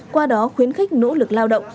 qua đó khuyến khích nỗ lực lao động